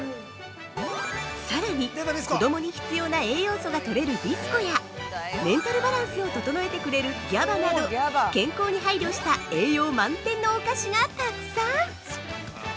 ◆さらに、子供に必要な栄養素がとれるビスコやメンタルバランスを整えてくれるＧＡＢＡなど健康に配慮した栄養満点のお菓子がたくさん！